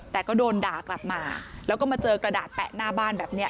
แต่ก็โดนด่ากลับมาแล้วก็มาเจอกระดาษแปะหน้าบ้านแบบนี้